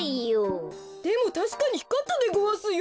でもたしかにひかったでごわすよ。